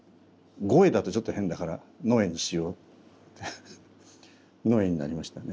ゴエだとちょっと変だからのえにしようってのえになりましたね。